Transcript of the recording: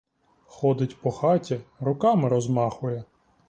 Ходить по хаті, руками розмахує.